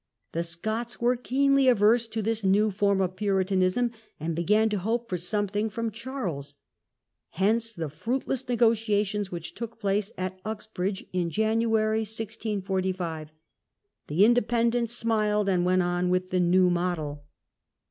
The Scots were keenly averse to this new form of Puritan ism, and began to hope for something from Charles; hence the fruitless negotiations which took place at Ux bridge in January, 1645. The Independents smiled and went on with the New Model.